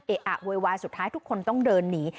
อะโวยวายสุดท้ายทุกคนต้องเดินหนี